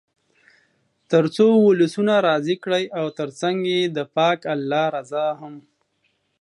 تر څو ولسونه راضي کړئ او تر څنګ یې د پاک الله رضا هم.